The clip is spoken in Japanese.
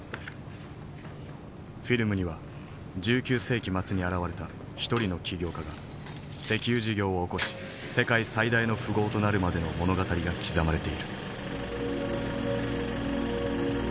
フィルムには１９世紀末に現れた一人の企業家が石油事業を起こし世界最大の富豪となるまでの物語が刻まれている。